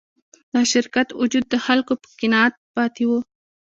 د شرکت وجود د خلکو په قناعت کې پاتې و.